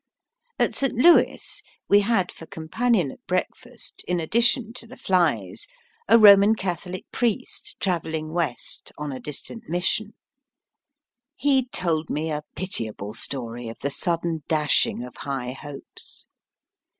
At St. Louis we had for companion at breakfast, in addition to the flies, a Eoman CathoUo priest travelhng West on a distant mission. He told me a pitiable story of the sudden dashing of high hopes.